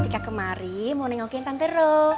atika kemari mau nengokin tante ro